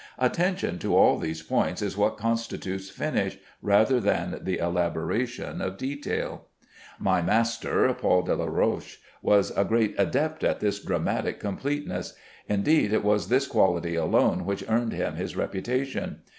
Attention to all these points is what constitutes "finish" rather than the elaboration of detail. My master, Paul Delaroche, was a great adept at this dramatic completeness; indeed, it was this quality alone which earned him his reputation.